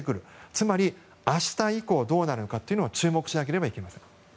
つまり、明日以降どうなるかというのは注目しなければいけません。